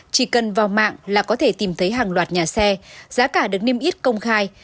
chỉ cần vào mạng là có thể tìm thấy hàng loạt nhà xe giá cả được niêm yết công khai